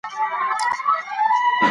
پسرلی د افغانانو د ژوند طرز اغېزمنوي.